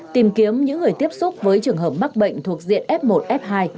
tìm kiếm những người tiếp xúc với trường hợp mắc bệnh thuộc diện f một f hai